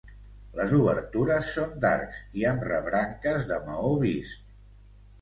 Les obertures són d'arcs i amb rebranques de maó vist.